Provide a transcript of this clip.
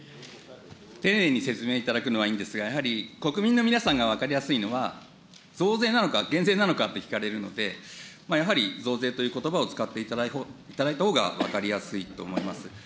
丁寧に説明いただくのはいいんですが、やはり国民の皆さんが分かりやすいのは、増税なのか、減税なのかって聞かれるので、やはり増税ということばを使っていただいたほうが分かりやすいと思います。